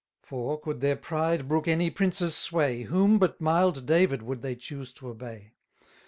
900 For, could their pride brook any prince's sway, Whom but mild David would they choose to obey?